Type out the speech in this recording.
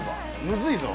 むずいぞ。